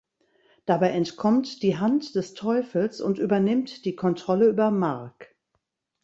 Dabei entkommt die Hand des Teufels und übernimmt die Kontrolle über Mark.